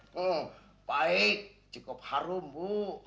hmm baik cukup harum bu